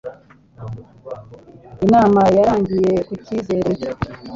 Inama yarangiye ku cyizere.